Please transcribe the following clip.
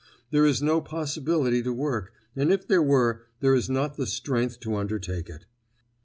There is no possibility to work; and if there were, there is not the strength to undertake it.